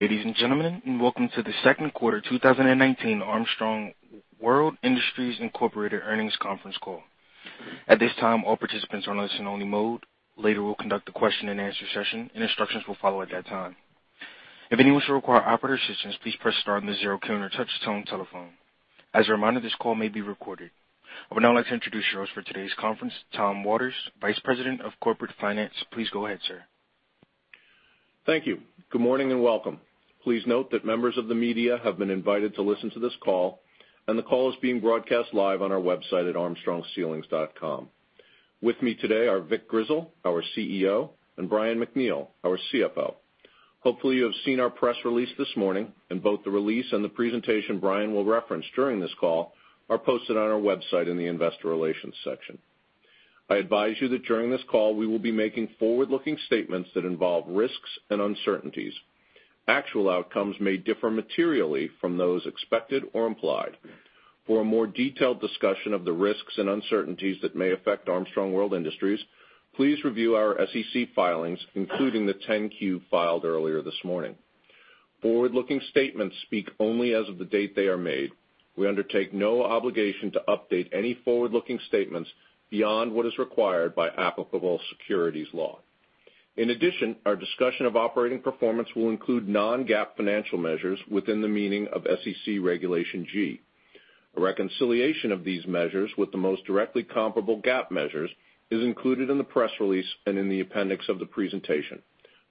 Ladies and gentlemen, welcome to the second quarter 2019 Armstrong World Industries Incorporated earnings conference call. At this time, all participants are in listen only mode. Later we'll conduct a question and answer session and instructions will follow at that time. If anyone should require operator assistance, please press star then zero key on your touch tone telephone. As a reminder, this call may be recorded. I would now like to introduce your host for today's conference, Tom Waters, Vice President of Corporate Finance. Please go ahead, sir. Thank you. Good morning, and welcome. Please note that members of the media have been invited to listen to this call, the call is being broadcast live on our website at armstrongceilings.com. With me today are Vic Grizzle, our CEO, and Brian MacNeal, our CFO. Hopefully you have seen our press release this morning and both the release and the presentation Brian will reference during this call are posted on our website in the investor relations section. I advise you that during this call we will be making forward-looking statements that involve risks and uncertainties. Actual outcomes may differ materially from those expected or implied. For a more detailed discussion of the risks and uncertainties that may affect Armstrong World Industries, please review our SEC filings, including the 10-Q filed earlier this morning. Forward-looking statements speak only as of the date they are made. We undertake no obligation to update any forward-looking statements beyond what is required by applicable securities law. In addition, our discussion of operating performance will include non-GAAP financial measures within the meaning of SEC Regulation G. A reconciliation of these measures with the most directly comparable GAAP measures is included in the press release and in the appendix of the presentation.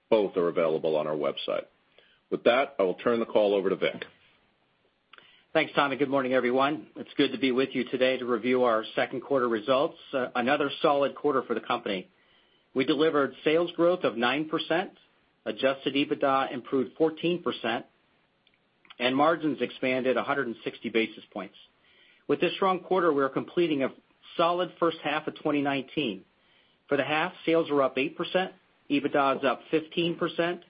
Both are available on our website. With that, I will turn the call over to Vic. Thanks, Tom, and good morning, everyone. It's good to be with you today to review our second quarter results, another solid quarter for the company. We delivered sales growth of 9%, adjusted EBITDA improved 14%, and margins expanded 160 basis points. With this strong quarter, we are completing a solid first half of 2019. For the half, sales are up 8%, EBITDA is up 15%,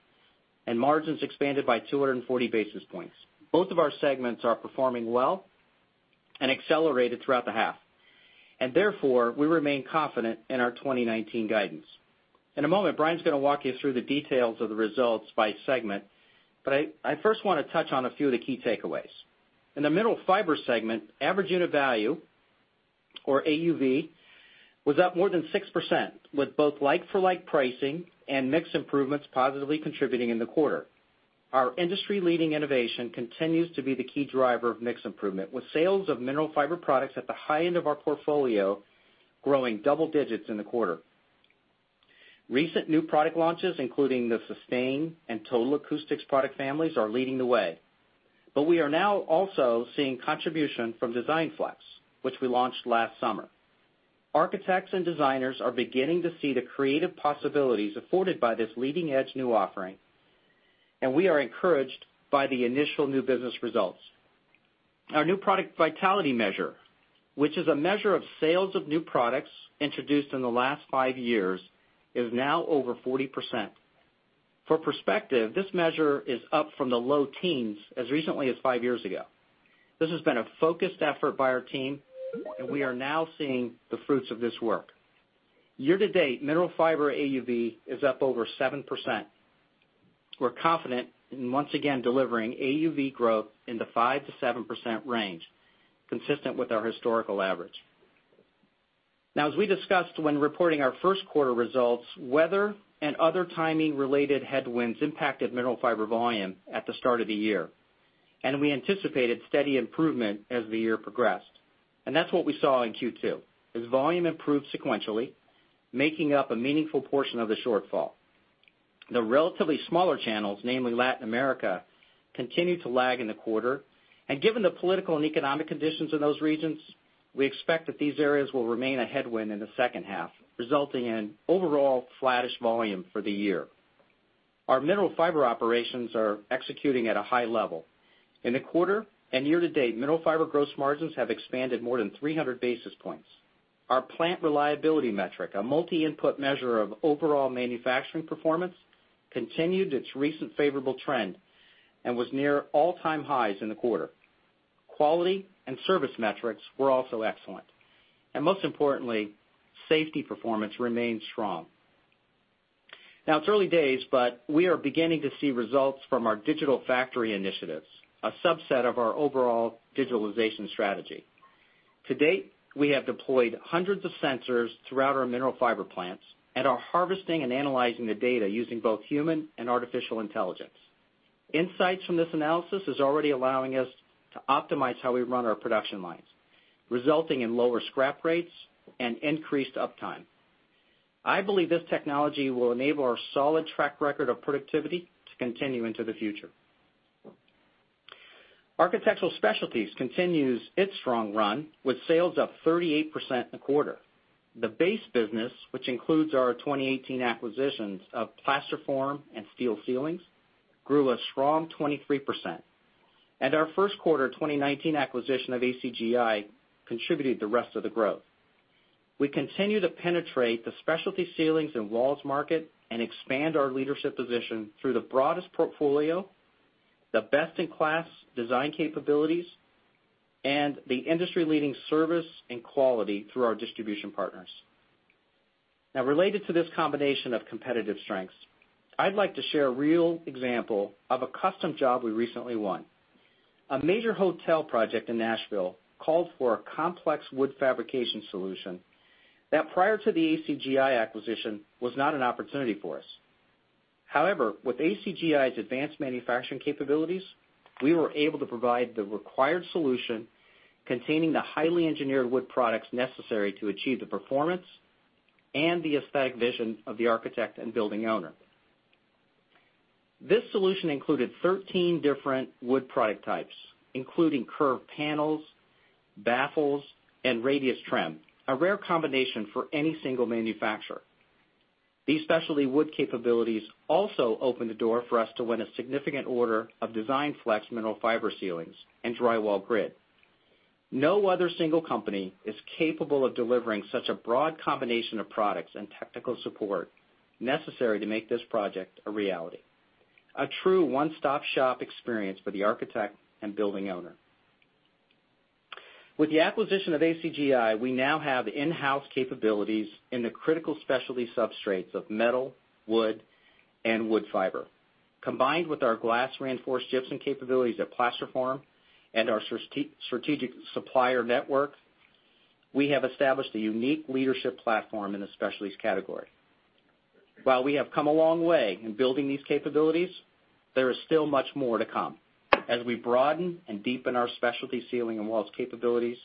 and margins expanded by 240 basis points. Both of our segments are performing well and accelerated throughout the half, and therefore, we remain confident in our 2019 guidance. In a moment, Brian's going to walk you through the details of the results by segment, but I first want to touch on a few of the key takeaways. In the Mineral Fiber segment, average unit value, or AUV, was up more than 6% with both like-for-like pricing and mix improvements positively contributing in the quarter. Our industry-leading innovation continues to be the key driver of mix improvement, with sales of Mineral Fiber products at the high end of our portfolio growing double digits in the quarter. Recent new product launches, including the SUSTAIN and Total Acoustics product families, are leading the way. We are now also seeing contribution from DESIGNFLEX, which we launched last summer. Architects and designers are beginning to see the creative possibilities afforded by this leading-edge new offering, and we are encouraged by the initial new business results. Our new product vitality measure, which is a measure of sales of new products introduced in the last five years, is now over 40%. For perspective, this measure is up from the low teens as recently as five years ago. This has been a focused effort by our team and we are now seeing the fruits of this work. Year to date, Mineral Fiber AUV is up over 7%. We're confident in once again delivering AUV growth in the 5% to 7% range, consistent with our historical average. As we discussed when reporting our first quarter results, weather and other timing-related headwinds impacted Mineral Fiber volume at the start of the year. We anticipated steady improvement as the year progressed. That's what we saw in Q2, as volume improved sequentially, making up a meaningful portion of the shortfall. The relatively smaller channels, namely Latin America, continued to lag in the quarter. Given the political and economic conditions in those regions, we expect that these areas will remain a headwind in the second half, resulting in overall flattish volume for the year. Our Mineral Fiber operations are executing at a high level. In the quarter and year to date, Mineral Fiber gross margins have expanded more than 300 basis points. Our plant reliability metric, a multi-input measure of overall manufacturing performance, continued its recent favorable trend and was near all-time highs in the quarter. Quality and service metrics were also excellent. Most importantly, safety performance remained strong. Now, it's early days, but we are beginning to see results from our Digital Factory Initiatives, a subset of our overall Digitalization Strategy. To date, we have deployed hundreds of sensors throughout our Mineral Fiber plants and are harvesting and analyzing the data using both human and artificial intelligence. Insights from this analysis is already allowing us to optimize how we run our production lines, resulting in lower scrap rates and increased uptime. I believe this technology will enable our solid track record of productivity to continue into the future. Architectural Specialties continues its strong run with sales up 38% in the quarter. The base business, which includes our 2018 acquisitions of Plasterform and Steel Ceilings, grew a strong 23%, and our first quarter 2019 acquisition of ACGI contributed the rest of the growth. We continue to penetrate the specialty ceilings and walls market and expand our leadership position through the broadest portfolio, the best-in-class design capabilities, and the industry-leading service and quality through our distribution partners. Now, related to this combination of competitive strengths, I'd like to share a real example of a custom job we recently won. A major hotel project in Nashville called for a complex wood fabrication solution that prior to the ACGI acquisition, was not an opportunity for us. However, with ACGI's advanced manufacturing capabilities, we were able to provide the required solution containing the highly engineered wood products necessary to achieve the performance and the aesthetic vision of the architect and building owner. This solution included 13 different wood product types, including curved panels, baffles, and radius trim, a rare combination for any single manufacturer. These specialty wood capabilities also opened the door for us to win a significant order of DESIGNFLEX Mineral Fiber ceilings and drywall grid. No other single company is capable of delivering such a broad combination of products and technical support necessary to make this project a reality. A true one-stop shop experience for the architect and building owner. With the acquisition of ACGI, we now have in-house capabilities in the critical specialty substrates of metal, wood, and wood fiber. Combined with our glass-reinforced gypsum capabilities at Plasterform and our strategic supplier network, we have established a unique leadership platform in the specialties category. While we have come a long way in building these capabilities, there is still much more to come as we broaden and deepen our specialty ceiling and walls capabilities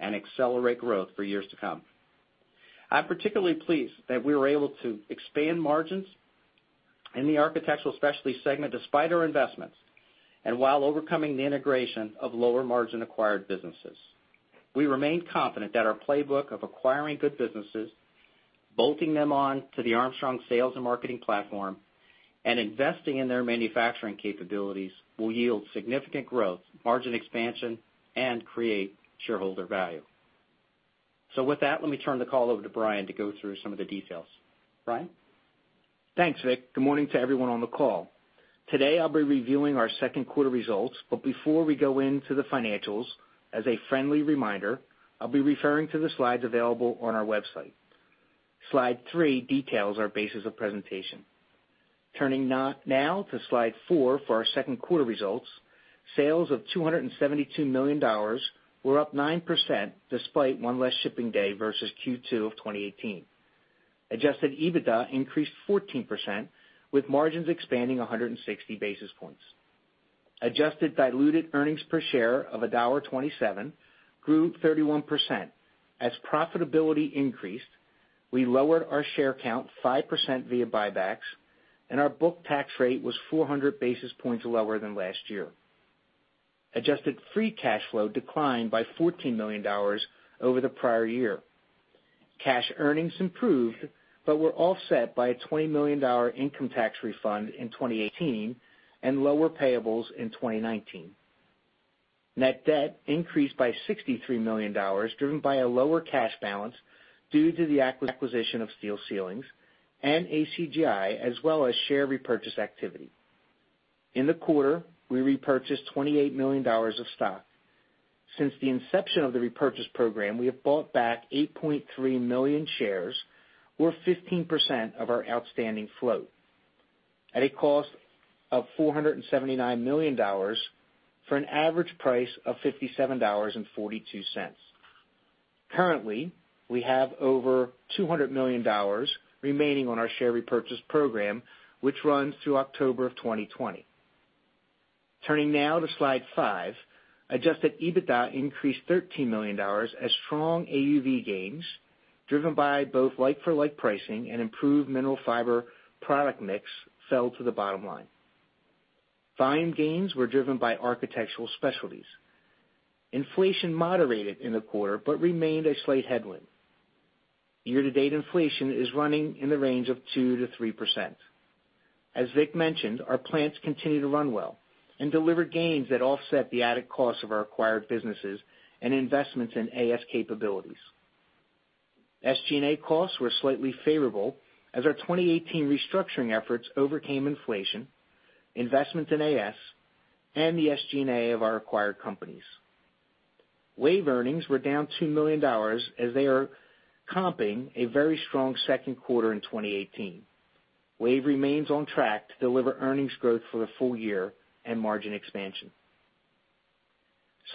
and accelerate growth for years to come. I'm particularly pleased that we were able to expand margins in the Architectural Specialties segment despite our investments, and while overcoming the integration of lower margin acquired businesses. We remain confident that our playbook of acquiring good businesses, bolting them on to the Armstrong sales and marketing platform, and investing in their manufacturing capabilities will yield significant growth, margin expansion, and create shareholder value. With that, let me turn the call over to Brian to go through some of the details. Brian? Thanks, Vic. Good morning to everyone on the call. Today, I'll be reviewing our second quarter results. Before we go into the financials, as a friendly reminder, I'll be referring to the slides available on our website. Slide three details our basis of presentation. Turning now to slide four for our second quarter results, sales of $272 million were up 9% despite one less shipping day versus Q2 of 2018. Adjusted EBITDA increased 14%, with margins expanding 160 basis points. Adjusted diluted earnings per share of $1.27 grew 31%. As profitability increased, we lowered our share count 5% via buybacks, and our book tax rate was 400 basis points lower than last year. Adjusted free cash flow declined by $14 million over the prior year. Cash earnings improved, but were offset by a $20 million income tax refund in 2018 and lower payables in 2019. Net debt increased by $63 million, driven by a lower cash balance due to the acquisition of Steel Ceilings and ACGI, as well as share repurchase activity. In the quarter, we repurchased $28 million of stock. Since the inception of the repurchase program, we have bought back 8.3 million shares, or 15% of our outstanding float, at a cost of $479 million, for an average price of $57.42. Currently, we have over $200 million remaining on our share repurchase program, which runs through October of 2020. Turning now to slide five. Adjusted EBITDA increased $13 million as strong AUV gains, driven by both like-for-like pricing and improved Mineral Fiber product mix fell to the bottom line. Volume gains were driven by Architectural Specialties. Inflation moderated in the quarter but remained a slight headwind. Year-to-date inflation is running in the range of 2%-3%. As Vic mentioned, our plants continue to run well and deliver gains that offset the added cost of our acquired businesses and investments in AS capabilities. SG&A costs were slightly favorable as our 2018 restructuring efforts overcame inflation, investment in AS, and the SG&A of our acquired companies. WAVE earnings were down $2 million as they are comping a very strong second quarter in 2018. WAVE remains on track to deliver earnings growth for the full year and margin expansion.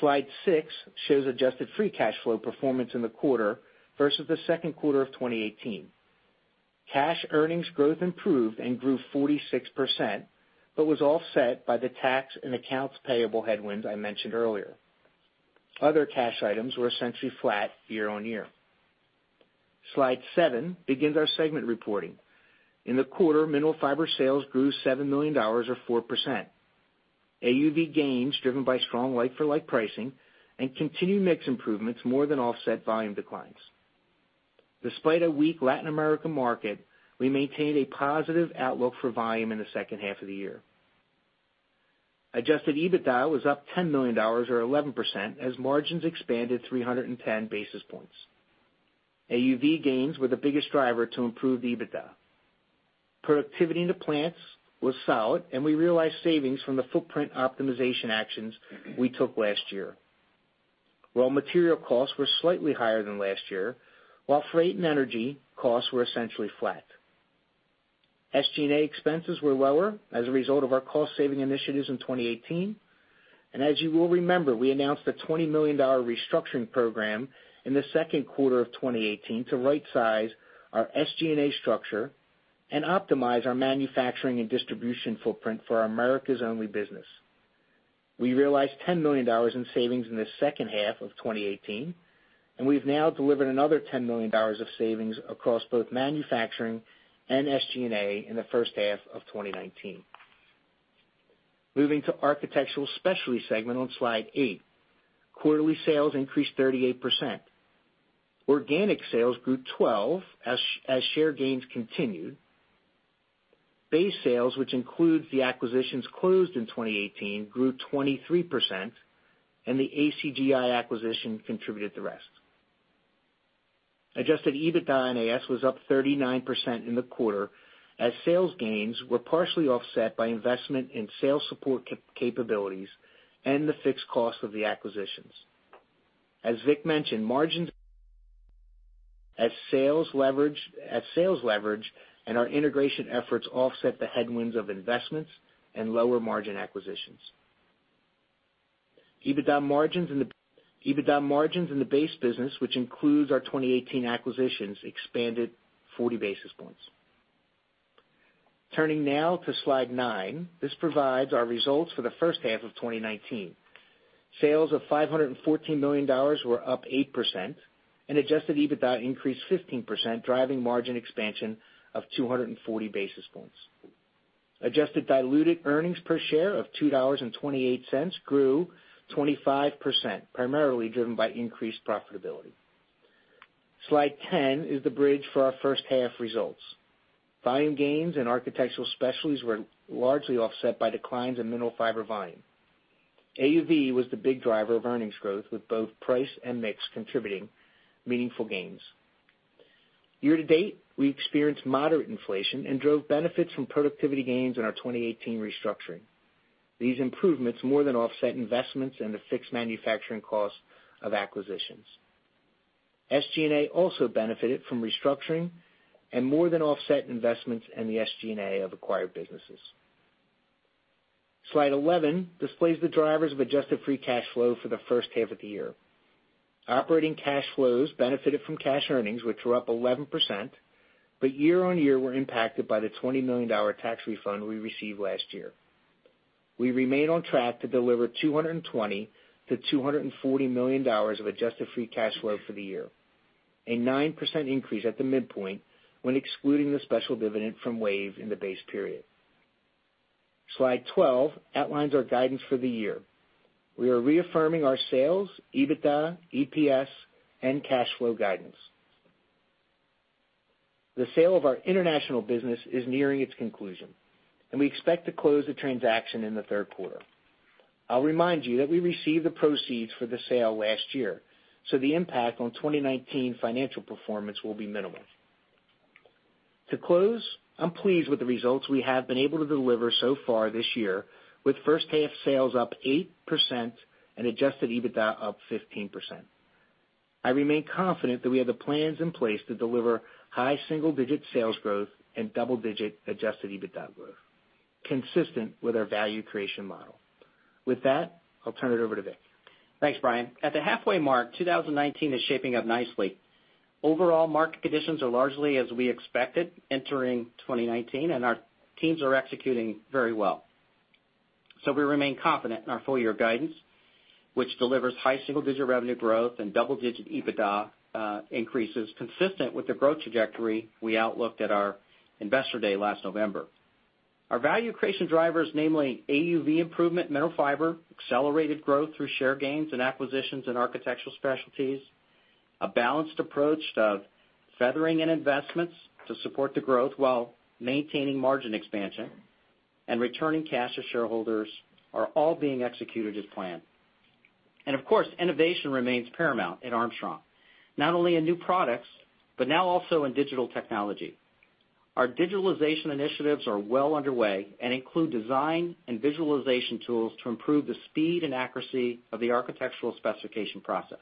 Slide six shows adjusted free cash flow performance in the quarter versus the second quarter of 2018. Cash earnings growth improved and grew 46%, but was offset by the tax and accounts payable headwinds I mentioned earlier. Other cash items were essentially flat year-over-year. Slide seven begins our segment reporting. In the quarter, Mineral Fiber sales grew $7 million, or 4%. AUV gains, driven by strong like-for-like pricing and continued mix improvements more than offset volume declines. Despite a weak Latin America market, we maintained a positive outlook for volume in the second half of the year. Adjusted EBITDA was up $10 million or 11% as margins expanded 310 basis points. AUV gains were the biggest driver to improve the EBITDA. Productivity in the plants was solid, and we realized savings from the footprint optimization actions we took last year. Raw material costs were slightly higher than last year, while freight and energy costs were essentially flat. SG&A expenses were lower as a result of our cost-saving initiatives in 2018. As you will remember, we announced a $20 million restructuring program in the second quarter of 2018 to right-size our SG&A structure and optimize our manufacturing and distribution footprint for our Americas-only business. We realized $10 million in savings in the second half of 2018, and we've now delivered another $10 million of savings across both manufacturing and SG&A in the first half of 2019. Moving to Architectural Specialties segment on Slide eight. Quarterly sales increased 38%. Organic sales grew 12% as share gains continued. Base sales, which includes the acquisitions closed in 2018, grew 23%, and the ACGI acquisition contributed the rest. Adjusted EBITDA and AS was up 39% in the quarter, as sales gains were partially offset by investment in sales support capabilities and the fixed cost of the acquisitions. As Vic mentioned, as sales leverage and our integration efforts offset the headwinds of investments and lower margin acquisitions. EBITDA margins in the base business, which includes our 2018 acquisitions, expanded 40 basis points. Turning now to Slide nine. This provides our results for the first half of 2019. Sales of $514 million were up 8%. Adjusted EBITDA increased 15%, driving margin expansion of 240 basis points. Adjusted diluted earnings per share of $2.28 grew 25%, primarily driven by increased profitability. Slide 10 is the bridge for our first half results. Volume gains in Architectural Specialties were largely offset by declines in Mineral Fiber volume. AUV was the big driver of earnings growth, with both price and mix contributing meaningful gains. Year to date, we experienced moderate inflation and drove benefits from productivity gains in our 2018 restructuring. These improvements more than offset investments and the fixed manufacturing cost of acquisitions. SG&A also benefited from restructuring and more than offset investments in the SG&A of acquired businesses. Slide 11 displays the drivers of adjusted free cash flow for the first half of the year. Operating cash flows benefited from cash earnings, which were up 11%, but year-over-year were impacted by the $20 million tax refund we received last year. We remain on track to deliver $220 million-$240 million of adjusted free cash flow for the year, a 9% increase at the midpoint when excluding the special dividend from WAVE in the base period. Slide 12 outlines our guidance for the year. We are reaffirming our sales, EBITDA, EPS, and cash flow guidance. The sale of our international business is nearing its conclusion, and we expect to close the transaction in the third quarter. I'll remind you that we received the proceeds for the sale last year, so the impact on 2019 financial performance will be minimal. To close, I'm pleased with the results we have been able to deliver so far this year, with first half sales up 8% and adjusted EBITDA up 15%. I remain confident that we have the plans in place to deliver high single-digit sales growth and double-digit adjusted EBITDA growth, consistent with our value creation model. With that, I'll turn it over to Vic. Thanks, Brian. At the halfway mark, 2019 is shaping up nicely. Overall market conditions are largely as we expected entering 2019, and our teams are executing very well. We remain confident in our full-year guidance, which delivers high single-digit revenue growth and double-digit EBITDA increases consistent with the growth trajectory we outlooked at our Investor Day last November. Our value creation drivers, namely AUV improvement in Mineral Fiber, accelerated growth through share gains and acquisitions in Architectural Specialties, a balanced approach of feathering in investments to support the growth while maintaining margin expansion and returning cash to shareholders, are all being executed as planned. Of course, innovation remains paramount at Armstrong, not only in new products, but now also in digital technology. Our digitalization initiatives are well underway and include design and visualization tools to improve the speed and accuracy of the architectural specification process.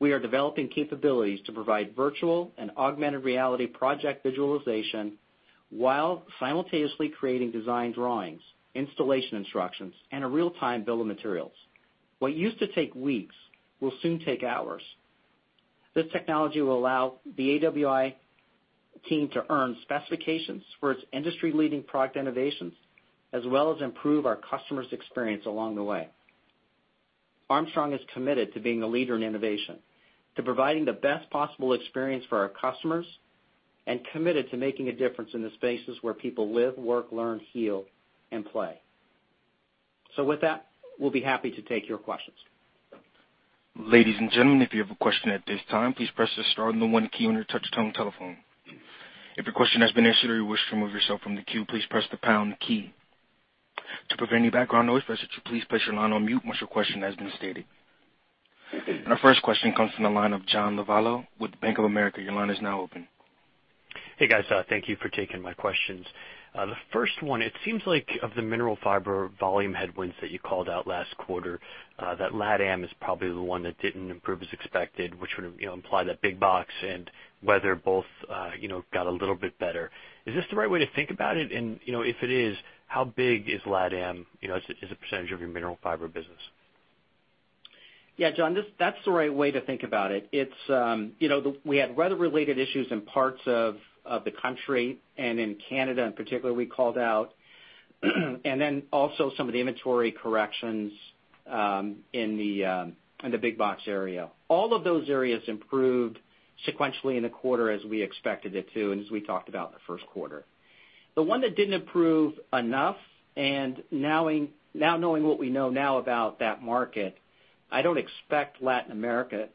We are developing capabilities to provide virtual and augmented reality project visualization while simultaneously creating design drawings, installation instructions, and a real-time bill of materials. What used to take weeks will soon take hours. This technology will allow the AWI team to earn specifications for its industry-leading product innovations, as well as improve our customers' experience along the way. Armstrong is committed to being a leader in innovation, to providing the best possible experience for our customers, and committed to making a difference in the spaces where people live, work, learn, heal, and play. With that, we'll be happy to take your questions. Ladies and gentlemen, if you have a question at this time, please press the star and the one key on your touch-tone telephone. If your question has been answered or you wish to remove yourself from the queue, please press the pound key. To prevent any background noise, press that you please place your line on mute once your question has been stated. Our first question comes from the line of John Lovallo with Bank of America. Your line is now open. Hey guys, thank you for taking my questions. The first one, it seems like of the Mineral Fiber volume headwinds that you called out last quarter, that LATAM is probably the one that didn't improve as expected, which would imply that big box and weather both got a little bit better. Is this the right way to think about it? If it is, how big is LATAM, as a % of your Mineral Fiber business? Yeah, John, that's the right way to think about it. We had weather-related issues in parts of the country and in Canada in particular, we called out. Also some of the inventory corrections in the big box area. All of those areas improved sequentially in the quarter as we expected it to, and as we talked about in the first quarter. The one that didn't improve enough, now knowing what we know now about that market, I don't expect Latin America,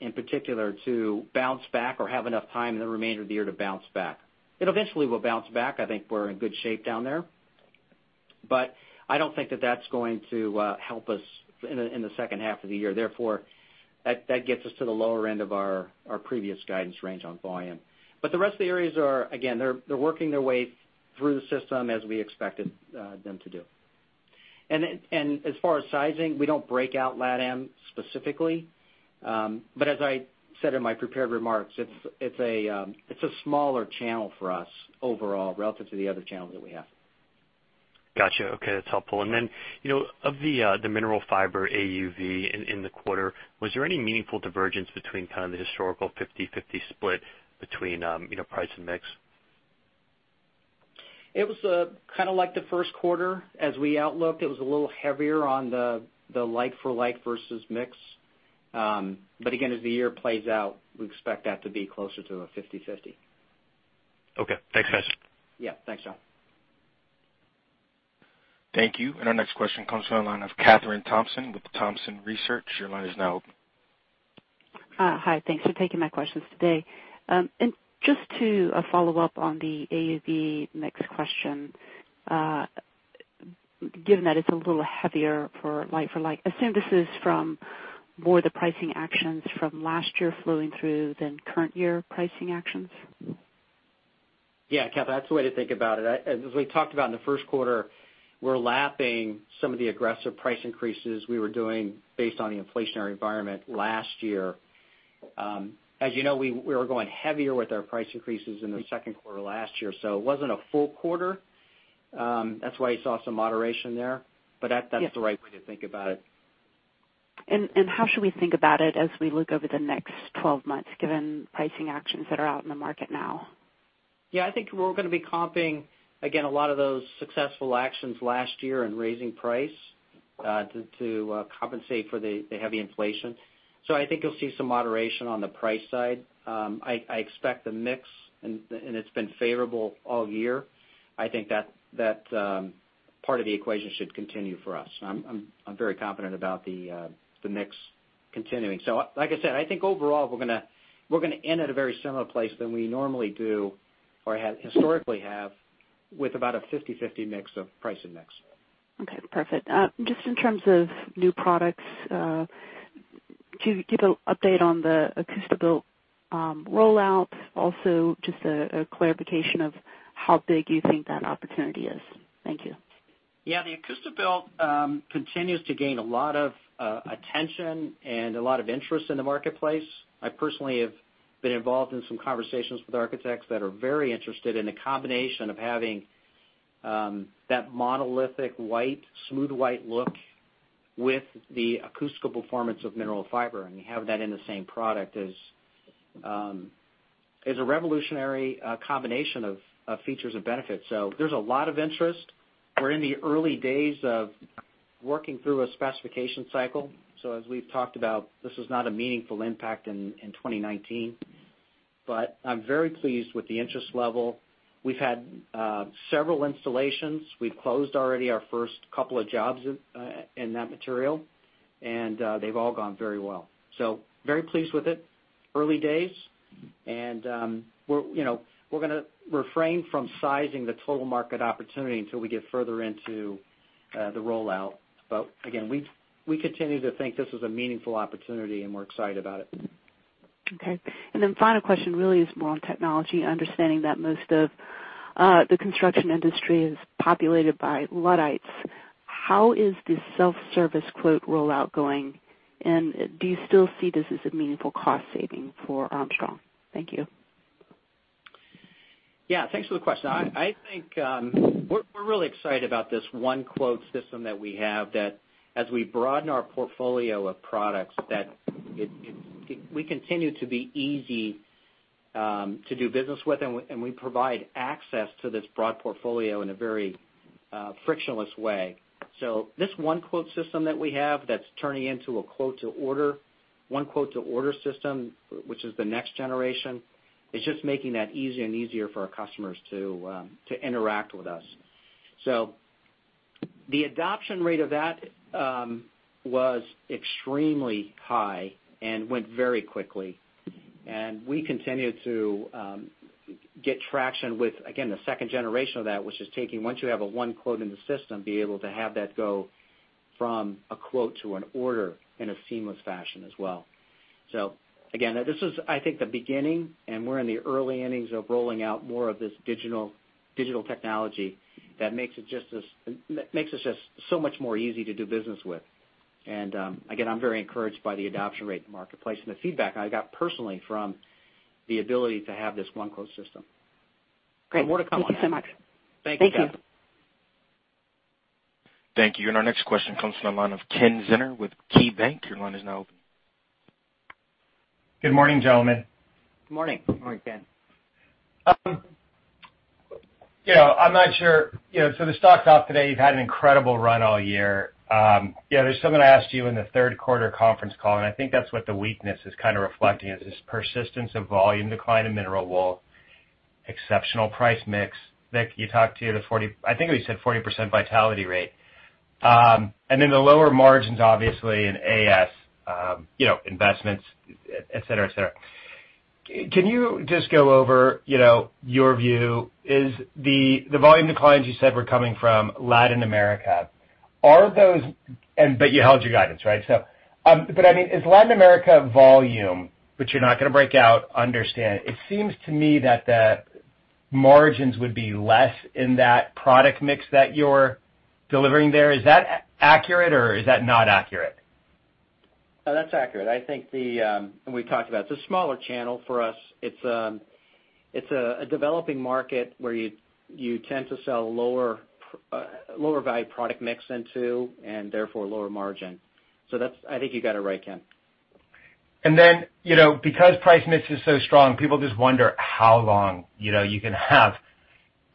in particular, to bounce back or have enough time in the remainder of the year to bounce back. It eventually will bounce back. I think we're in good shape down there, I don't think that that's going to help us in the second half of the year. Therefore, that gets us to the lower end of our previous guidance range on volume. The rest of the areas are, again, they're working their way through the system as we expected them to do. As far as sizing, we don't break out LATAM specifically. As I said in my prepared remarks, it's a smaller channel for us overall relative to the other channels that we have. Got you. Okay. That's helpful. Of the Mineral Fiber AUV in the quarter, was there any meaningful divergence between the historical 50/50 split between price and mix? It was kind of like the first quarter as we outlooked. It was a little heavier on the like for like versus mix. Again, as the year plays out, we expect that to be closer to a 50/50. Okay. Thanks, guys. Yeah. Thanks, John. Thank you. Our next question comes from the line of Kathryn Thompson with the Thompson Research. Your line is now open. Hi. Thanks for taking my questions today. Just to follow up on the AUV mix question. Given that it's a little heavier for like for like, I assume this is from more the pricing actions from last year flowing through than current year pricing actions? Yeah, Kathryn, that's the way to think about it. As we talked about in the first quarter, we're lapping some of the aggressive price increases we were doing based on the inflationary environment last year. As you know, we were going heavier with our price increases in the second quarter last year, so it wasn't a full quarter. That's why you saw some moderation there, but that's the right way to think about it. How should we think about it as we look over the next 12 months, given pricing actions that are out in the market now? Yeah, I think we're going to be comping, again, a lot of those successful actions last year and raising price, to compensate for the heavy inflation. I think you'll see some moderation on the price side. I expect the mix, and it's been favorable all year. I think that part of the equation should continue for us. I'm very confident about the mix continuing. Like I said, I think overall we're going to end at a very similar place than we normally do or historically have with about a 50/50 mix of price and mix. Okay, perfect. Just in terms of new products, could you give an update on the ACOUSTIBUILT rollout? Also just a clarification of how big you think that opportunity is. Thank you. Yeah, the ACOUSTIBUILT continues to gain a lot of attention and a lot of interest in the marketplace. I personally have been involved in some conversations with architects that are very interested in the combination of having that monolithic smooth white look with the acoustical performance of mineral fiber, and you have that in the same product as a revolutionary combination of features and benefits. There's a lot of interest. We're in the early days of working through a specification cycle. As we've talked about, this is not a meaningful impact in 2019, but I'm very pleased with the interest level. We've had several installations. We've closed already our first couple of jobs in that material, and they've all gone very well. Very pleased with it. Early days. We're going to refrain from sizing the total market opportunity until we get further into the rollout. Again, we continue to think this is a meaningful opportunity, and we're excited about it. Okay. Final question really is more on technology, understanding that most of the construction industry is populated by Luddites. How is the self-service quote rollout going? Do you still see this as a meaningful cost saving for Armstrong? Thank you. Yeah, thanks for the question. I think we're really excited about this one quote system that we have, that as we broaden our portfolio of products, that we continue to be easy to do business with, and we provide access to this broad portfolio in a very frictionless way. This one quote system that we have that's turning into a one quote to order system, which is the next generation, is just making that easier and easier for our customers to interact with us. The adoption rate of that was extremely high and went very quickly. We continue to get traction with, again, the second generation of that, which is taking, once you have a one quote in the system, be able to have that go from a quote to an order in a seamless fashion as well. Again, this is, I think, the beginning, and we're in the early innings of rolling out more of this digital technology that makes us just so much more easy to do business with. Again, I'm very encouraged by the adoption rate in the marketplace and the feedback I got personally from the ability to have this one quote system. Great. More to come on that. Thank you so much. Thank you, Kathryn. Thank you. Thank you. Our next question comes from the line of Ken Zener with KeyBanc. Your line is now open. Good morning, gentlemen. Good morning. Morning, Ken. I'm not sure. The stock's up today. You've had an incredible run all year. There's something I asked you in the third quarter conference call, and I think that's what the weakness is kind of reflecting, is this persistence of volume decline in Mineral Fiber, exceptional price mix. Vic, you talked to the 40, I think you said 40% vitality rate. The lower margins, obviously in AS, investments, et cetera. Can you just go over your view? The volume declines you said were coming from Latin America. You held your guidance, right? Is Latin America volume, which you're not going to break out, understand. It seems to me that the margins would be less in that product mix that you're delivering there. Is that accurate or is that not accurate? No, that's accurate. I think we talked about it. It's a smaller channel for us. It's a developing market where you tend to sell lower value product mix into and therefore lower margin. I think you got it right, Ken. Then, because price mix is so strong, people just wonder how long you can have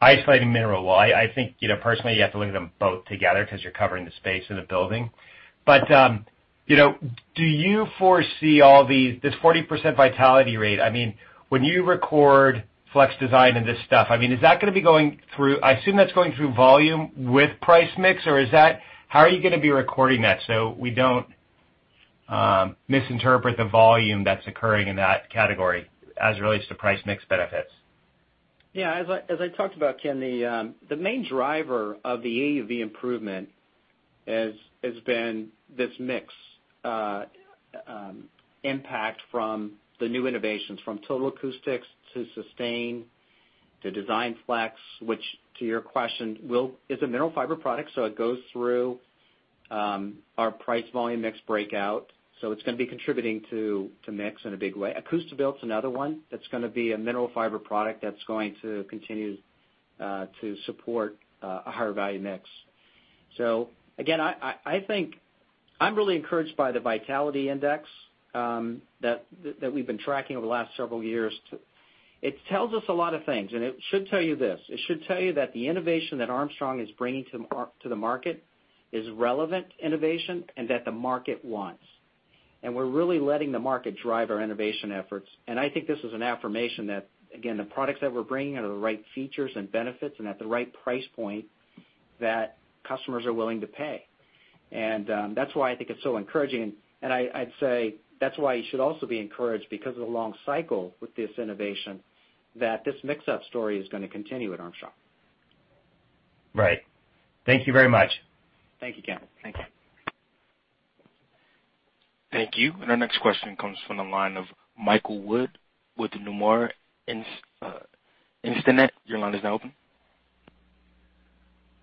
isolating Mineral Fiber. I think personally, you have to look at them both together because you're covering the space in a building. Do you foresee this 40% vitality rate? When you record DESIGNFLEX and this stuff, is that going to be going through, I assume that's going through volume with price mix? How are you going to be recording that so we don't misinterpret the volume that's occurring in that category as it relates to price mix benefits? Yeah. As I talked about, Ken, the main driver of the AUV improvement has been this mix impact from the new innovations, from Total Acoustics to SUSTAIN to DESIGNFLEX. Which, to your question, is a Mineral Fiber product, it goes through our price volume mix breakout. It's going to be contributing to mix in a big way. ACOUSTIBUILT's another one that's going to be a Mineral Fiber product that's going to continue to support a higher value mix. Again, I think I'm really encouraged by the vitality index that we've been tracking over the last several years. It tells us a lot of things, and it should tell you this: It should tell you that the innovation that Armstrong is bringing to the market is relevant innovation and that the market wants. We're really letting the market drive our innovation efforts. I think this is an affirmation that, again, the products that we're bringing are the right features and benefits and at the right price point that customers are willing to pay. That's why I think it's so encouraging. I'd say that's why you should also be encouraged because of the long cycle with this innovation, that this mix-up story is going to continue at Armstrong. Right. Thank you very much. Thank you, Ken. Thank you. Thank you. Our next question comes from the line of Michael Wood with Nomura Instinet. Your line is now open.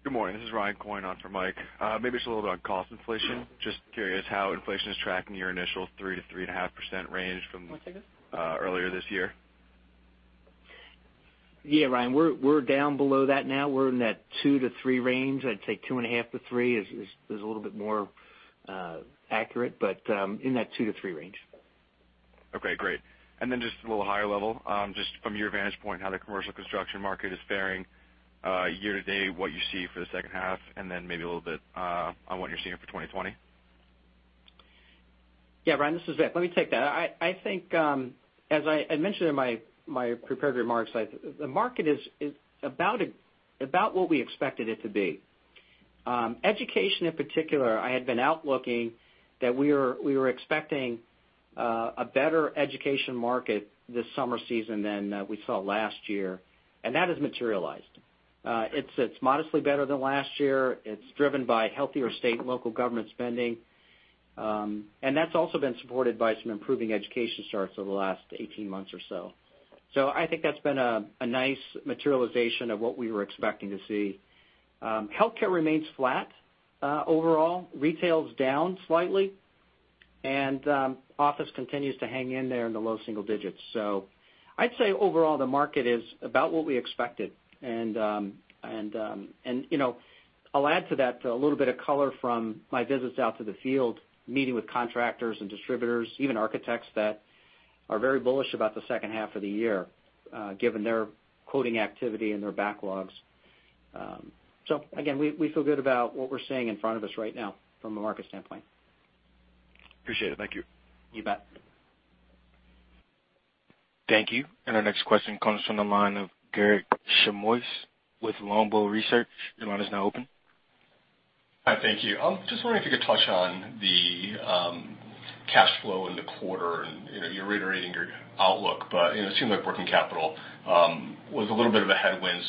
Good morning. This is Ryan Coyne on for Mike. Maybe just a little bit on cost inflation. Just curious how inflation is tracking your initial 3%-3.5% range. Want to take this? earlier this year. Yeah, Ryan, we're down below that now. We're in that 2-3 range. I'd say 2.5-3 is a little bit more accurate, but in that 2-3 range. Okay, great. Just a little higher level, just from your vantage point, how the commercial construction market is faring year to date, what you see for the second half, and then maybe a little bit on what you're seeing for 2020? Yeah, Ryan, this is Vic. Let me take that. I think, as I mentioned in my prepared remarks, the market is about what we expected it to be. Education in particular, I had been outlooking that we were expecting a better education market this summer season than we saw last year, and that has materialized. It's modestly better than last year. It's driven by healthier state and local government spending. That's also been supported by some improving education starts over the last 18 months or so. I think that's been a nice materialization of what we were expecting to see. Healthcare remains flat overall. Retail's down slightly. Office continues to hang in there in the low single digits. I'd say overall, the market is about what we expected. I'll add to that a little bit of color from my visits out to the field, meeting with contractors and distributors, even architects that are very bullish about the second half of the year, given their quoting activity and their backlogs. Again, we feel good about what we're seeing in front of us right now from a market standpoint. Appreciate it. Thank you. You bet. Thank you. Our next question comes from the line of Garik Shmois with Longbow Research. Your line is now open. Hi, thank you. I was just wondering if you could touch on the cash flow in the quarter, and you're reiterating your outlook, but it seemed like working capital was a little bit of a headwind.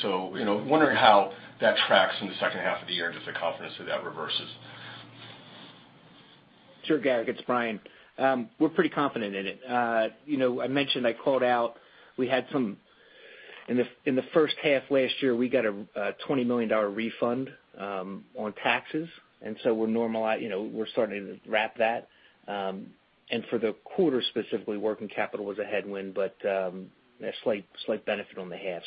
Wondering how that tracks in the second half of the year, and if the confidence of that reverses. Sure, Garrett, it's Brian. We're pretty confident in it. I mentioned, I called out, in the first half last year, we got a $20 million refund on taxes, we're starting to wrap that. For the quarter specifically, working capital was a headwind, but a slight benefit on the half.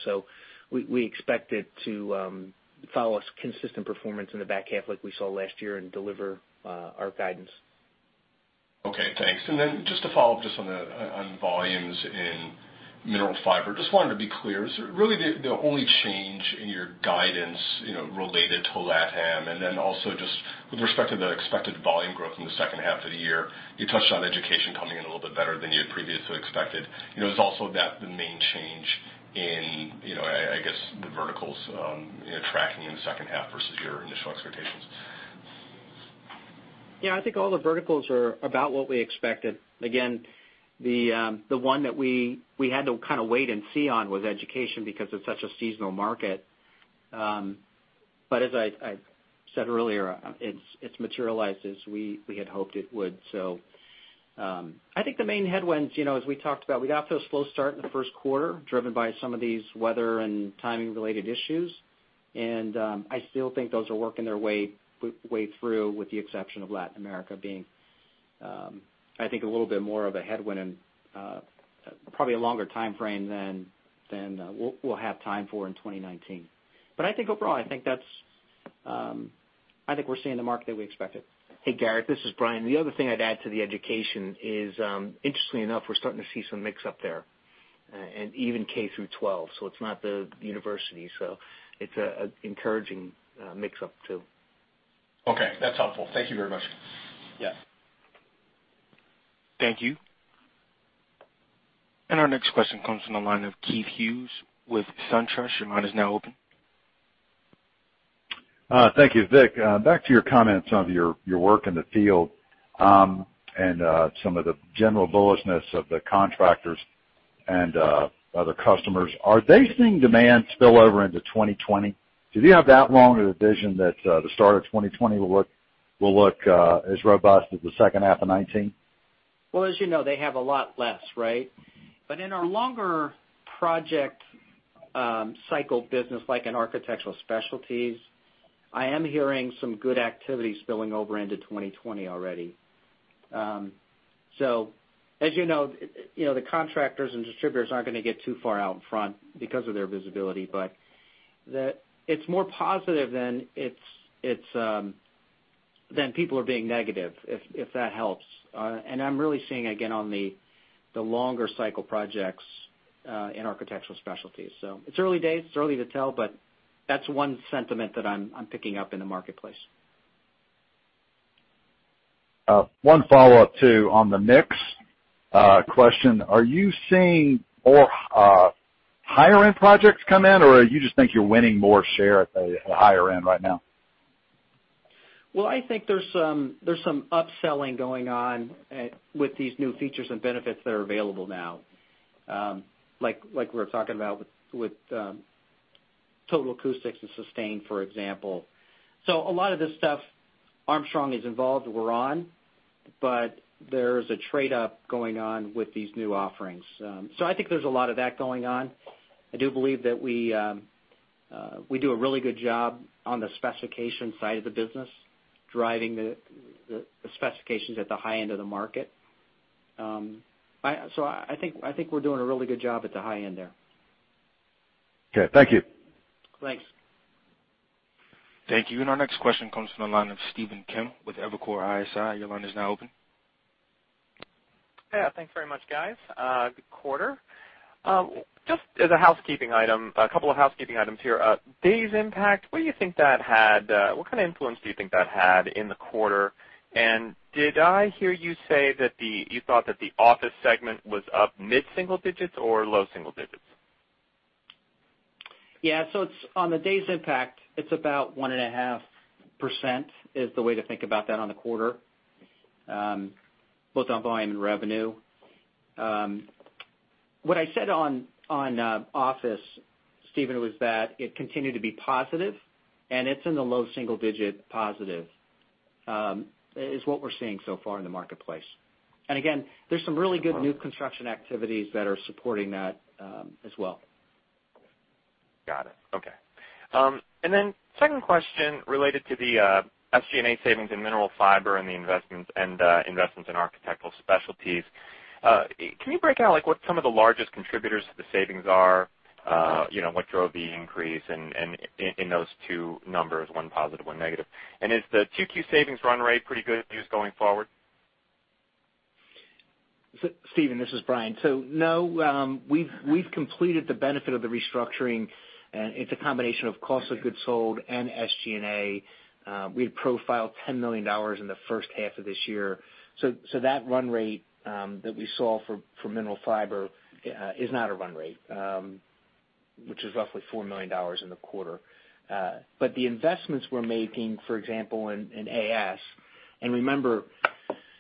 We expect it to follow a consistent performance in the back half like we saw last year and deliver our guidance. Okay, thanks. Just to follow up just on volumes in Mineral Fiber. Just wanted to be clear, is really the only change in your guidance, related to LATAM? Also just with respect to the expected volume growth in the second half of the year, you touched on education coming in a little bit better than you had previously expected. Is also that the main change in, I guess, the verticals, tracking in the second half versus your initial expectations? Yeah, I think all the verticals are about what we expected. The one that we had to kind of wait and see on was education because it's such a seasonal market. As I said earlier, it's materialized as we had hoped it would. I think the main headwinds, as we talked about, we got off to a slow start in the first quarter driven by some of these weather and timing related issues. I still think those are working their way through, with the exception of Latin America being, I think, a little bit more of a headwind and probably a longer timeframe than we'll have time for in 2019. I think overall, I think we're seeing the market that we expected. Hey Garrett, this is Brian. The other thing I'd add to the education is, interestingly enough, we're starting to see some mix up there, and even K through 12, so it's not the university. It's an encouraging mix up, too. Okay, that's helpful. Thank you very much. Yeah. Thank you. Our next question comes from the line of Keith Hughes with SunTrust. Your line is now open. Thank you. Vic, back to your comments on your work in the field, and some of the general bullishness of the contractors and other customers. Are they seeing demand spill over into 2020? Do they have that long of a vision that the start of 2020 will look as robust as the second half of 2019? As you know, they have a lot less, right? In our longer project cycle business, like in Architectural Specialties, I am hearing some good activity spilling over into 2020 already. As you know, the contractors and distributors aren't going to get too far out in front because of their visibility, but it's more positive than people are being negative, if that helps. I'm really seeing, again, on the longer cycle projects in Architectural Specialties. It's early days, it's early to tell, but that's one sentiment that I'm picking up in the marketplace. One follow-up too, on the mix question. Are you seeing more higher-end projects come in, or you just think you're winning more share at the higher end right now? Well, I think there's some upselling going on with these new features and benefits that are available now, like we're talking about with Total Acoustics and SUSTAIN, for example. A lot of this stuff Armstrong is involved with, we're on, but there's a trade-up going on with these new offerings. I think there's a lot of that going on. I do believe that we do a really good job on the specification side of the business, driving the specifications at the high end of the market. I think we're doing a really good job at the high end there. Okay. Thank you. Thanks. Thank you. Our next question comes from the line of Stephen Kim with Evercore ISI. Your line is now open. Thanks very much, guys. Good quarter. Just as a couple of housekeeping items here. Days impact, what kind of influence do you think that had in the quarter? Did I hear you say that you thought that the office segment was up mid-single digits or low single digits? Yeah. On the days impact, it's about 1.5% is the way to think about that on the quarter, both on volume and revenue. What I said on office, Stephen, was that it continued to be positive and it's in the low single digit positive, is what we're seeing so far in the marketplace. Again, there's some really good new construction activities that are supporting that as well. Got it. Okay. Second question related to the SG&A savings in Mineral Fiber and the investments in Architectural Specialties. Can you break out what some of the largest contributors to the savings are? What drove the increase in those two numbers, one positive, one negative? Is the 2Q savings run rate pretty good news going forward? Stephen, this is Brian. No, we've completed the benefit of the restructuring, and it's a combination of cost of goods sold and SG&A. We had profiled $10 million in the first half of this year. That run rate that we saw for Mineral Fiber is not a run rate, which is roughly $4 million in the quarter. The investments we're making, for example, in AS, and remember,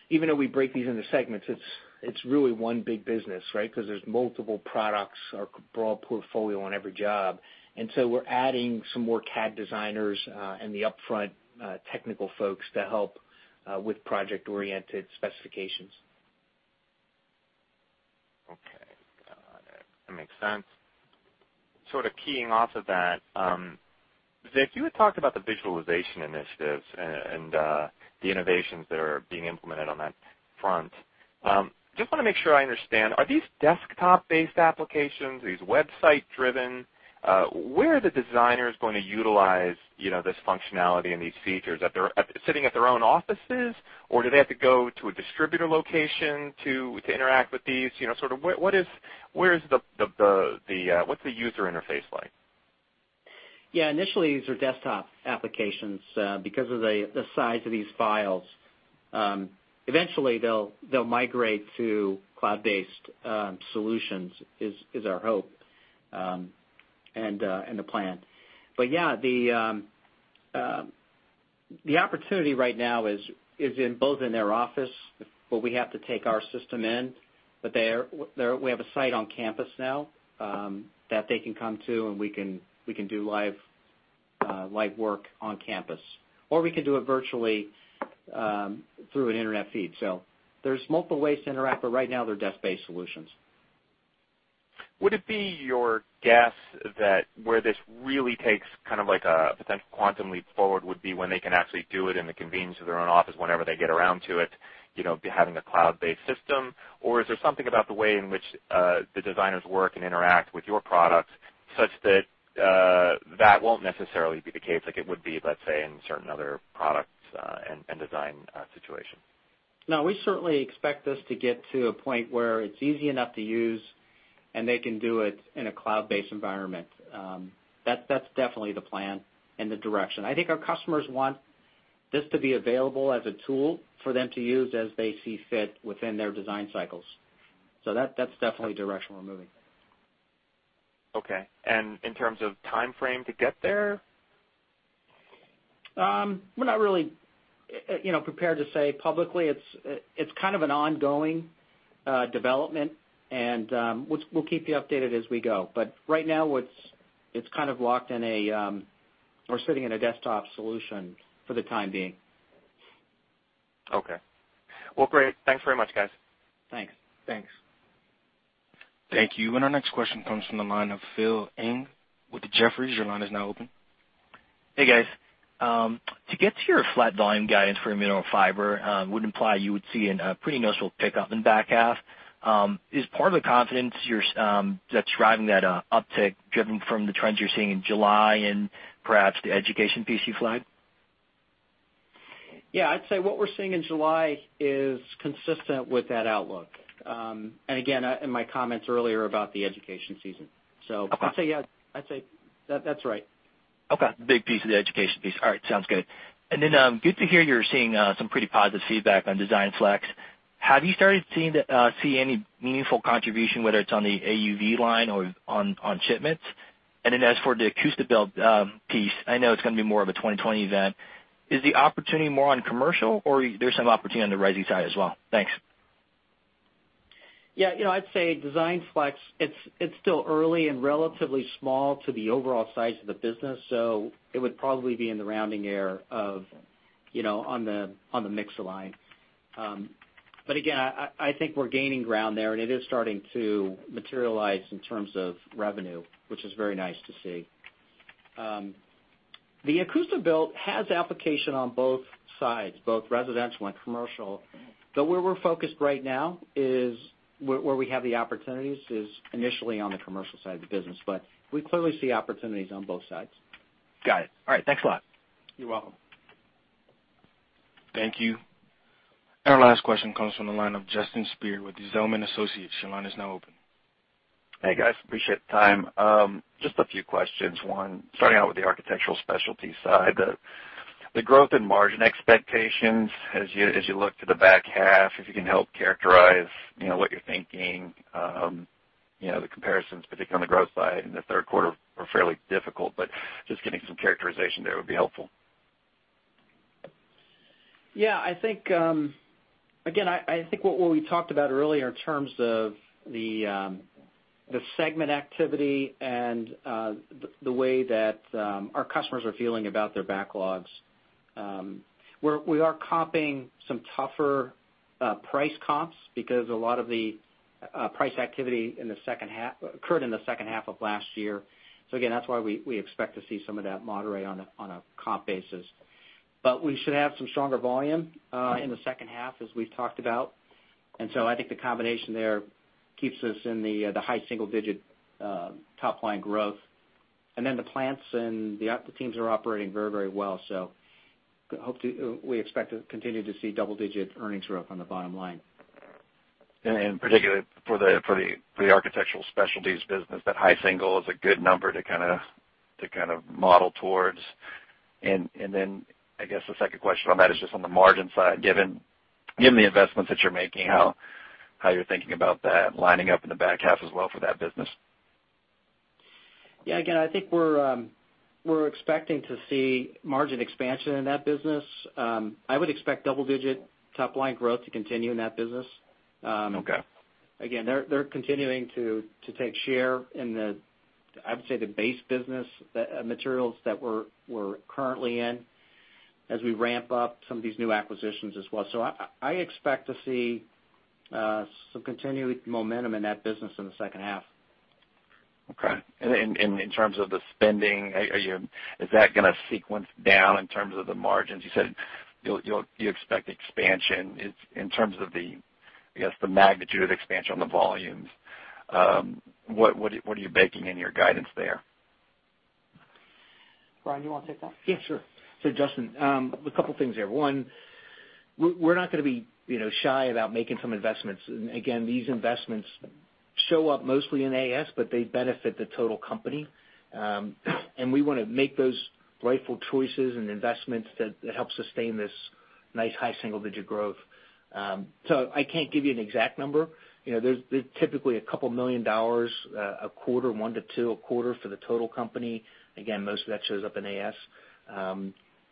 even though we break these into segments, it's really one big business, right? There's multiple products, our broad portfolio on every job. We're adding some more CAD designers and the upfront technical folks to help with project-oriented specifications. Okay. Got it. That makes sense. Keying off of that. Vic, you had talked about the visualization initiatives and the innovations that are being implemented on that front. Just want to make sure I understand, are these desktop-based applications? Are these website driven? Where are the designers going to utilize this functionality and these features? Are they sitting at their own offices, or do they have to go to a distributor location to interact with these? What's the user interface like? Yeah, initially, these are desktop applications because of the size of these files. Eventually, they'll migrate to cloud-based solutions, is our hope and the plan. Yeah, the opportunity right now is both in their office, where we have to take our system in. We have a site on campus now that they can come to, and we can do live work on campus, or we can do it virtually through an internet feed. There's multiple ways to interact, but right now they're desk-based solutions. Would it be your guess that where this really takes kind of like a potential quantum leap forward would be when they can actually do it in the convenience of their own office whenever they get around to it, having a cloud-based system? Or is there something about the way in which the designers work and interact with your products such that that won't necessarily be the case like it would be, let's say, in certain other products and design situations? No, we certainly expect this to get to a point where it's easy enough to use and they can do it in a cloud-based environment. That's definitely the plan and the direction. I think our customers want this to be available as a tool for them to use as they see fit within their design cycles. That's definitely the direction we're moving. Okay. In terms of timeframe to get there? We're not really prepared to say publicly. It's kind of an ongoing development, and we'll keep you updated as we go. Right now, it's kind of locked in, we're sitting in a desktop solution for the time being. Okay. Well, great. Thanks very much, guys. Thanks. Thanks. Thank you. Our next question comes from the line of Phil Ng with Jefferies. Your line is now open. Hey, guys. To get to your flat volume guidance for Mineral Fiber would imply you would see a pretty noticeable pickup in the back half. Is part of the confidence that's driving that uptick driven from the trends you're seeing in July and perhaps the education PC flag? Yeah, I'd say what we're seeing in July is consistent with that outlook, again, in my comments earlier about the education season. I'd say yeah. I'd say that's right. Okay. Big piece of the education piece. All right, sounds good. Good to hear you're seeing some pretty positive feedback on DESIGNflex. Have you started to see any meaningful contribution, whether it's on the AUV line or on shipments? As for the ACOUSTIBUILT piece, I know it's going to be more of a 2020 event. Is the opportunity more on commercial, or there's some opportunity on the resi side as well? Thanks. I'd say DESIGNFLEX, it's still early and relatively small to the overall size of the business, it would probably be in the rounding error on the mixer line. Again, I think we're gaining ground there, and it is starting to materialize in terms of revenue, which is very nice to see. The ACOUSTIBUILT has application on both sides, both residential and commercial. Where we're focused right now is where we have the opportunities is initially on the commercial side of the business, but we clearly see opportunities on both sides. Got it. All right. Thanks a lot. You're welcome. Thank you. Our last question comes from the line of Justin Speer with Zelman & Associates. Your line is now open. Hey, guys. Appreciate the time. Just a few questions. One, starting out with the Architectural Specialties side. The growth in margin expectations as you look to the back half, if you can help characterize what you're thinking. The comparisons, particularly on the growth side in the third quarter, were fairly difficult. Just getting some characterization there would be helpful. Yeah, again, I think what we talked about earlier in terms of the segment activity and the way that our customers are feeling about their backlogs. We are comping some tougher price comps because a lot of the price activity occurred in the second half of last year. Again, that's why we expect to see some of that moderate on a comp basis. We should have some stronger volume in the second half, as we've talked about. I think the combination there keeps us in the high single-digit top line growth. The plants and the teams are operating very well. We expect to continue to see double-digit earnings growth on the bottom line. Particularly for the Architectural Specialties business, that high single is a good number to kind of model towards. I guess the second question on that is just on the margin side, given the investments that you're making, how you're thinking about that lining up in the back half as well for that business? Yeah, again, I think we're expecting to see margin expansion in that business. I would expect double-digit top-line growth to continue in that business. Okay. Again, they're continuing to take share in the, I would say, the base business materials that we're currently in as we ramp up some of these new acquisitions as well. I expect to see some continued momentum in that business in the second half. Okay. In terms of the spending, is that going to sequence down in terms of the margins? You said you expect expansion. In terms of the, I guess, the magnitude of expansion on the volumes, what are you baking in your guidance there? Brian, do you want to take that? Yeah, sure. Justin, a couple things there. One, we're not going to be shy about making some investments. Again, these investments show up mostly in AS, but they benefit the total company. We want to make those rightful choices and investments that help sustain this nice high single-digit growth. I can't give you an exact number. There's typically a couple million dollars a quarter, $1 million to $2 million a quarter for the total company. Again, most of that shows up in AS.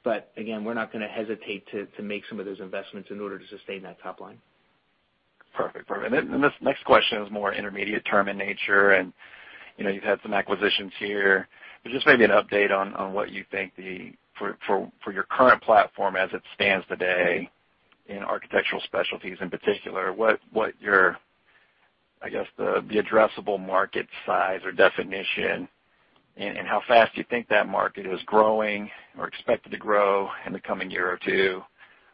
Again, we're not going to hesitate to make some of those investments in order to sustain that top line. Perfect. This next question is more intermediate term in nature, and you've had some acquisitions here, but just maybe an update on what you think for your current platform as it stands today in Architectural Specialties in particular, what your, I guess the addressable market size or definition and how fast you think that market is growing or expected to grow in the coming year or two.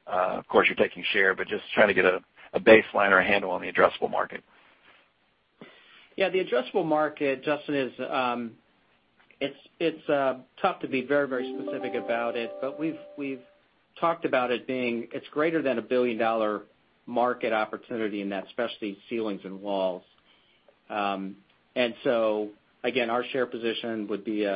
Of course you're taking share, but just trying to get a baseline or a handle on the addressable market. Yeah, the addressable market, Justin, it's tough to be very specific about it, but we've talked about it being, it's greater than a billion-dollar market opportunity in that specialty ceilings and walls. Again, our share position would be,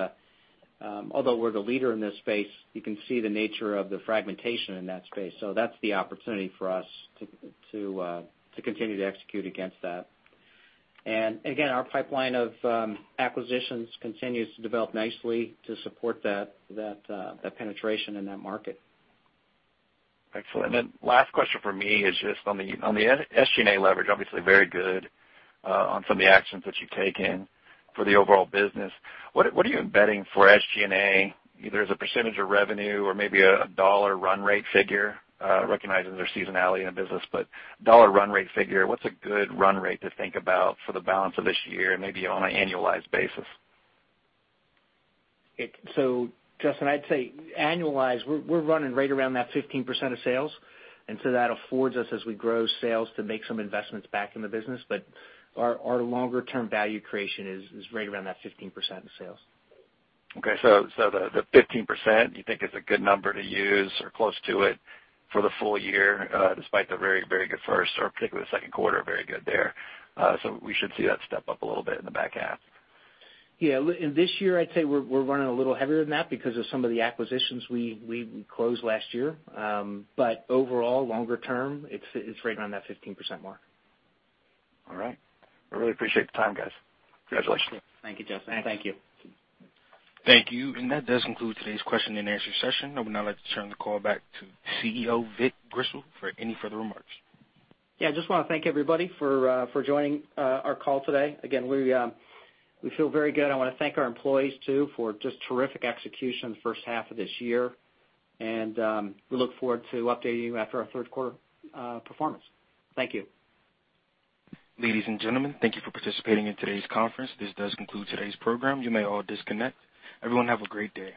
although we're the leader in this space, you can see the nature of the fragmentation in that space. That's the opportunity for us to continue to execute against that. Again, our pipeline of acquisitions continues to develop nicely to support that penetration in that market. Excellent. Last question from me is just on the SG&A leverage, obviously very good on some of the actions that you've taken for the overall business. What are you embedding for SG&A, either as a % of revenue or maybe a dollar run rate figure, recognizing there's seasonality in the business, but dollar run rate figure, what's a good run rate to think about for the balance of this year and maybe on an annualized basis? Justin, I'd say annualized, we're running right around that 15% of sales. That affords us, as we grow sales, to make some investments back in the business. Our longer term value creation is right around that 15% of sales. Okay, the 15% you think is a good number to use or close to it for the full year, despite the very good first or particularly the second quarter, very good there. We should see that step up a little bit in the back half. Yeah. This year, I'd say we're running a little heavier than that because of some of the acquisitions we closed last year. Overall, longer term, it's right around that 15% mark. All right. I really appreciate the time, guys. Congratulations. Thank you, Justin. Thank you. Thank you. That does conclude today's question and answer session. I would now like to turn the call back to CEO Vic Grizzle for any further remarks. I just want to thank everybody for joining our call today. Again, we feel very good. I want to thank our employees, too, for just terrific execution the first half of this year, and we look forward to updating you after our third quarter performance. Thank you. Ladies and gentlemen, thank you for participating in today's conference. This does conclude today's program. You may all disconnect. Everyone have a great day.